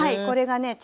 これがね